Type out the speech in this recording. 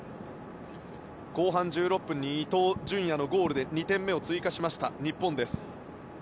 後半１６分、伊東純也のゴールで２点目を追加しました日本です。